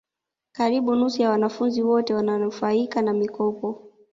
karibu nusu ya wanafunzi wote wananufaika na mikopo